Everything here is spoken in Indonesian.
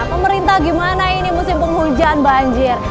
pemerintah gimana ini musim penghujan banjir